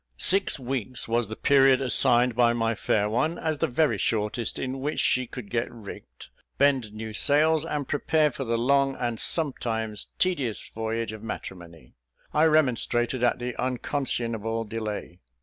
Six weeks was the period assigned by my fair one as the very shortest in which she could get rigged, bend new sails, and prepare for the long and sometimes tedious voyage of matrimony. I remonstrated at the unconscionable delay.